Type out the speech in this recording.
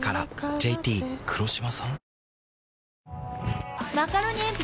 ＪＴ黒島さん？